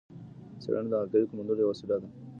څېړنه د حقایقو موندلو یوه وسيله ده.